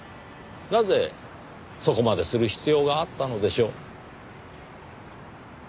なぜそこまでする必要があったのでしょう？